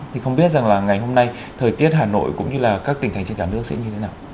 thì không biết rằng là ngày hôm nay thời tiết hà nội cũng như là các tỉnh thành trên cả nước sẽ như thế nào